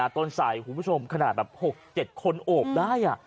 ต้นไฟคุณผู้ชมขนาด๖๗คนโอบได้